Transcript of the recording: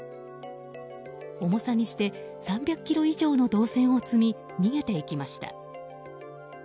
重さにして３００ｋｇ以上の銅線を積み逃げていきました。